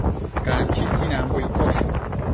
Canchi sinanbo iccosh